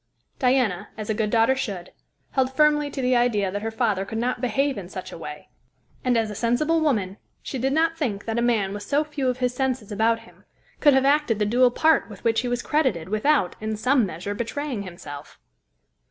Diana, as a good daughter should, held firmly to the idea that her father could not behave in such a way; and as a sensible woman, she did not think that a man with so few of his senses about him could have acted the dual part with which he was credited without, in some measure, betraying himself.